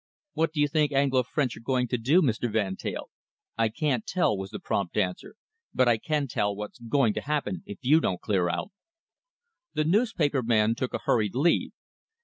"What do you think Anglo French are going to do, Mr. Van Teyl?" "I can't tell," was the prompt answer, "but I can tell what's going to happen if you don't clear out." The newspaper man took a hurried leave.